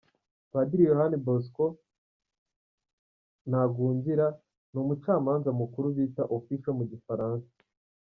Padiri Yohani Bosco Ntagungira ni umucamanza mukuru bita « Official » mu gifaransa.